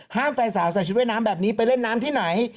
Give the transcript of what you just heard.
ห้ามแฟนสาวใส่ชิ้นเวน้ำแบบนี้ไปเล่นน้ำที่ไหน